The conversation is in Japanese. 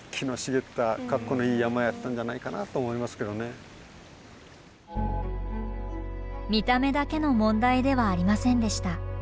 そこまで見た目だけの問題ではありませんでした。